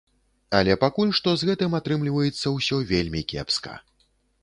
Але пакуль што з гэтым атрымліваецца ўсё вельмі кепска.